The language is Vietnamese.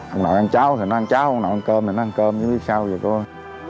ông nội ăn cháo thì nó ăn cháo ông nội ăn cơm thì nó ăn cơm chứ biết sao vậy thôi